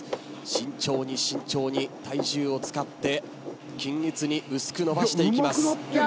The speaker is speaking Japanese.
慎重に慎重に体重を使って均一に薄くのばしていきます。